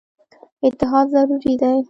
اتحاد ضروري دی.